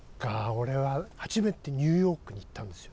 俺は初めてニューヨークに行ったんですよ